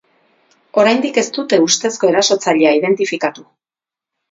Oraindik ez dute ustezko erasotzailea identifikatu.